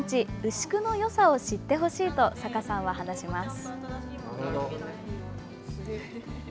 牛久のよさを知ってほしいと坂さんは話します。